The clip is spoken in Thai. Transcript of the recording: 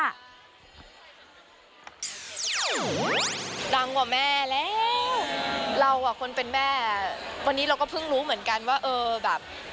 ดังกว่าแม่แล้วเราอ่ะคนเป็นแม่วันนี้เราก็เพิ่งรู้เหมือนกันว่าเออแบบ